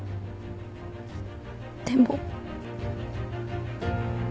でも。